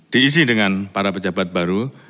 diisi dengan para pejabat baru